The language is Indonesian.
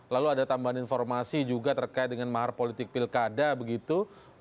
lalu ada tambahan informasi juga terkait dengan mahar politik pilkada begitu